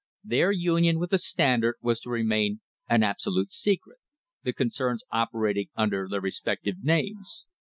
Their union with the Standard was to remain an absolute secret — the con cerns operating under their respective names.